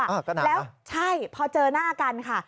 ก็นานค่ะใช่พอเจอหน้ากันค่ะ